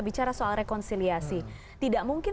bicara soal rekonsiliasi tidak mungkin